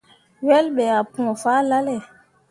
Wel ɓe ah pũu fahlalle.